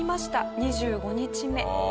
「２５日目」